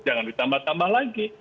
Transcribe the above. jangan ditambah tambah lagi